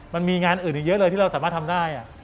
มันมีงานอื่นเยอะเลยที่เราสามารถทำได้